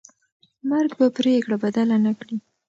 مرګ به پرېکړه بدله نه کړي.